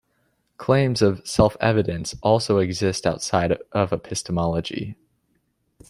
Claims of "self-evidence" also exist outside of epistemology.